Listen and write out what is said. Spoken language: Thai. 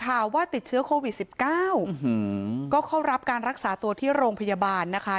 ข่าวว่าติดเชื้อโควิด๑๙ก็เข้ารับการรักษาตัวที่โรงพยาบาลนะคะ